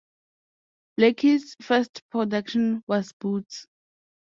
Blakeley's first production was Boots!